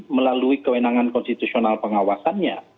melalui kewenangan konstitusional pengawasan